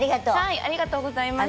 ありがとうございます。